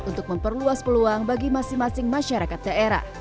untuk memperluas peluang bagi masing masing masyarakat daerah